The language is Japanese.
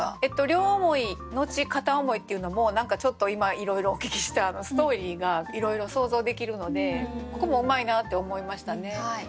「両思い、のち片思い」っていうのも何かちょっと今いろいろお聞きしたストーリーがいろいろ想像できるのでここもうまいなって思いましたね。